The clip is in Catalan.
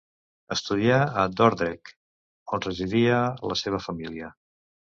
Estudià a Dordrecht, on residia la seva família.